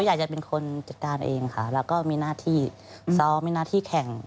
อยากจะเป็นคนจัดการเองค่ะแล้วก็มีหน้าที่ซ้อมมีหน้าที่แข่ง